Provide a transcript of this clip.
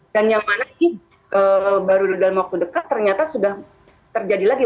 dan yang mana ini baru dalam waktu dekat ternyata sudah terjadi lagi